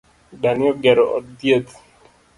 Dani ogero od thieth